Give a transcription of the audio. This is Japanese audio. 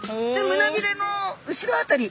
むなびれの後ろ辺り